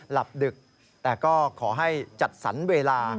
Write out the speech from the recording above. ดึกแต่ก็ขอให้จัดสรรเวลา